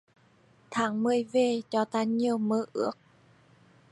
Tháng mười về cho ta nhiều mơ ước